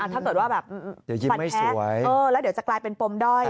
ถ้าเกิดว่าแบบฟันแพ้แล้วเดี๋ยวจะกลายเป็นปมด้อย